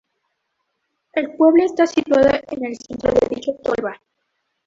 El pueblo está situado en el centro de dicha tolva.